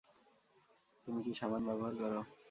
তুমি কী সাবান ব্যবহার করো?